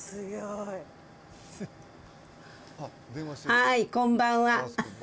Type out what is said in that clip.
はーい、こんばんは。